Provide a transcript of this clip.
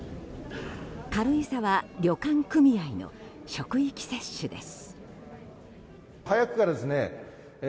軽井沢旅館組合の職域接種です。